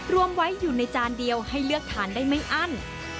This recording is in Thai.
รวมไว้อยู่ในจานเดียวให้เลือกทานได้ไม่อั้น